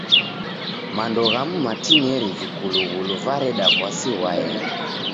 Mando ghamu matineri vikulughulu vareda w'asi ghwaenga.